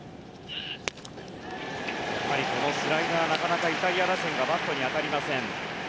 スライダーなかなかイタリア打線がバットに当たりません。